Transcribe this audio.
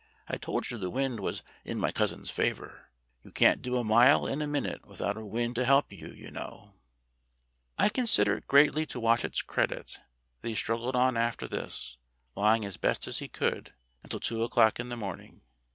I told you the wind was in my cousin's favor. You can't do a mile in a minute without a wind to help you, you know." I consider it greatly to Watchet's credit that he struggled on after this, lying as best he could, until two o'clock in the morning.